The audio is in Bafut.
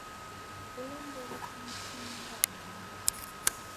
Bo lɛ ndoritə tsiʼi mbə̂nnù.